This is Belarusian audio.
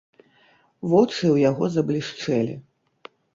Вочы ў яго заблішчэлі.